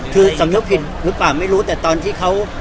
คือสำยกผิดหรือเปล่าไม่รู้แต่ตอนที่เขา